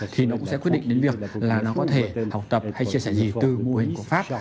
thì nó cũng sẽ quyết định đến việc là nó có thể học tập hay chia sẻ gì từ mô hình của pháp